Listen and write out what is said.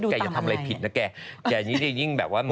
แกอย่าทำอะไรผิดนะแกแกยิ่งแบบว่า